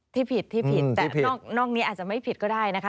ที่ผิดที่ผิดแต่นอกนี้อาจจะไม่ผิดก็ได้นะคะ